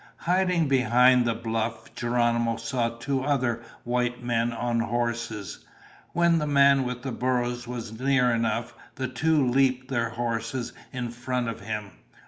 Hiding behind the bluff, Geronimo saw two other white men on horses. When the man with the burros was near enough, the two leaped their horses in front of him.